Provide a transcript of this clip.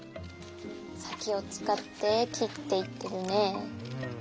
さきをつかってきっていってるね。